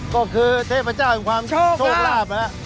ก็คือเทพเจ้าของความโชคลาภนะครับ